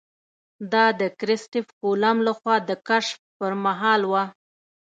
دا د کرسټېف کولمب له خوا د کشف پر مهال وه.